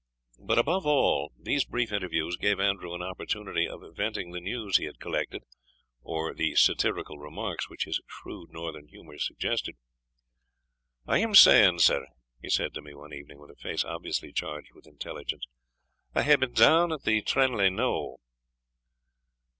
But, above all, these brief interviews gave Andrew an opportunity of venting the news he had collected, or the satirical remarks which his shrewd northern humour suggested. "I am saying, sir," he said to me one evening, with a face obviously charged with intelligence, "I hae been down at the Trinlay knowe."